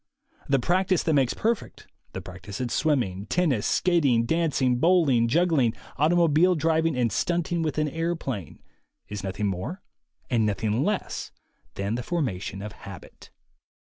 The practice that makes perfect, the practice at swimming, tennis, skating, dancing, bowling, juggling, automobile driving and stunting with an airplane, is nothing more and nothing less than the formation of habit.